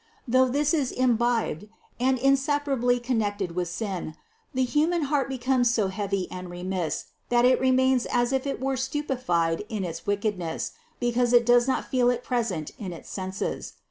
Though this is imbibed and inseparably connected with sin, the human heart becomes so heavy and remiss that it remains as if it were stupefied in its wickedness, because it does not feel it present in its senses.